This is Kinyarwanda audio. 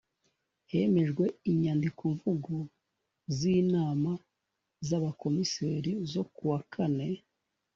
hemejwe inyandikomvugo z inama z abakomiseri zo kuwa kane